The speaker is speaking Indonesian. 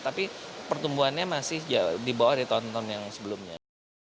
tapi pertumbuhannya masih di bawah di tahun tahun yang sebelumnya